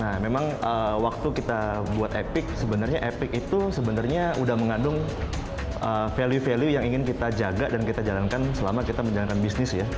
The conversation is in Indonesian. nah memang waktu kita buat epic sebenarnya epic itu sebenarnya udah mengandung value value yang ingin kita jaga dan kita jalankan selama kita menjalankan bisnis ya